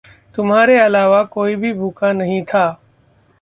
तुम्हारे अलावा कोई भी भूखा नहीं था।